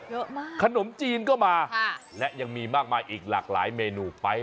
ขนมจีนก็มาและยังมีมากมายอีกหลากหลายเมนูไป